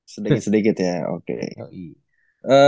sedikit sedikit ya oke